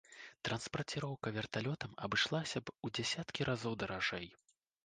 Транспарціроўка верталётам абышлася б у дзясяткі разоў даражэй.